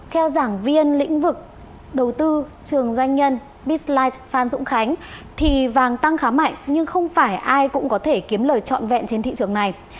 theo giảng viên lĩnh vực đầu tư trường doanh nhân bislife phan dũng khánh thì vàng tăng khá mạnh nhưng không phải ai cũng có thể kiếm lời trọn vẹn trên thị trường này